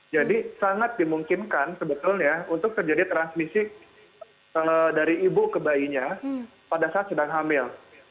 jadi sangat dimungkinkan sebetulnya untuk terjadi transmisi dari ibu ke bayinya pada saat sedang hamil